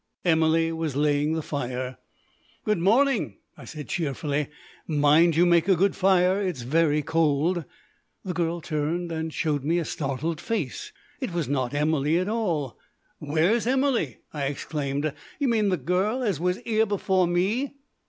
Emily was laying the fire. "Good morning!" I said cheerfully. "Mind you make a good fire. It's very cold." The girl turned and showed me a startled face. It was not Emily at all! "Where's Emily? " I exclaimed. "You mean the girl as was 'ere before me?"